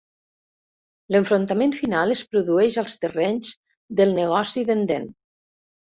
L'enfrontament final es produeix als terrenys del negoci d'en Dent.